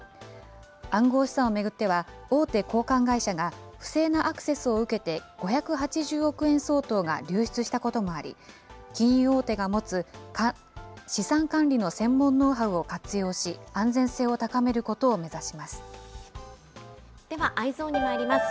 暗号資産を巡っては、大手交換会社が、不正なアクセスを受けて５８０億円相当が流出したこともあり、金融大手が持つ資産管理の専門ノウハウを活用し、安全性を高めるでは、Ｅｙｅｓｏｎにまいります。